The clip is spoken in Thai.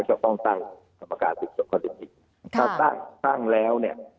จะตั้งกล้าป๋อหภาษาแล้วต้องตั้งคดีที่ถ้าตั้งตั้งแล้วเนี่ย